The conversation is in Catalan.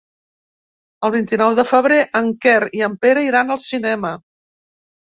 El vint-i-nou de febrer en Quer i en Pere iran al cinema.